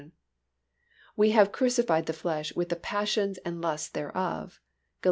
We have crucified the flesh with the passions and lusts thereof (Gal.